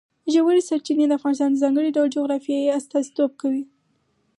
ژورې سرچینې د افغانستان د ځانګړي ډول جغرافیه استازیتوب کوي.